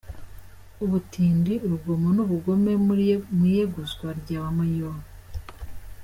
-Ubutindi, urugomo n’ubugome mu iyeguzwa ry’aba Mayor